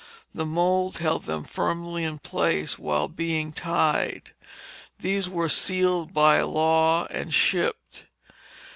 The mould held them firmly in place while being tied. These were sealed by law and shipped.